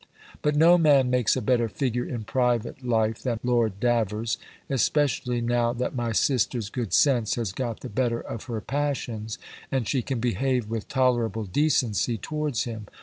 "But no man makes a better figure in private life than Lord Davers; especially now that my sister's good sense has got the better of her passions, and she can behave with tolerable decency towards him.